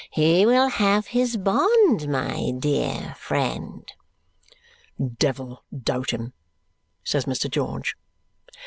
He will have his bond, my dear friend." "Devil doubt him," says Mr. George.